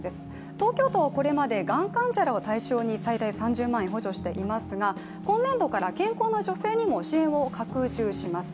東京都はこれまで、がん患者らを対象に最大３０万円を補助していますが今年度から健康な女性にも支援を拡充します。